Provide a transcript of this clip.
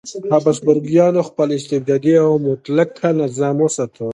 هابسبورګیانو خپل استبدادي او مطلقه نظام وساته.